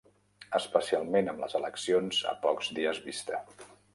Especialment amb les eleccions a pocs dies vista.